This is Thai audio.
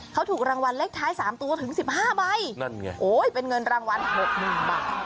เขาถูกรางวัลเลขท้ายสามตัวถึงสิบห้าใบนั่นไงโอ้ยเป็นเงินรางวัลหกหมื่นบาท